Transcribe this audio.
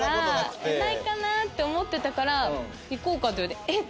ないかなって思ってたから「行こうか」って言われてえっ？